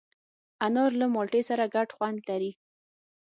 انار له مالټې سره ګډ خوند لري.